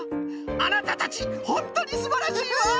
あなたたちホントにすばらしいわ！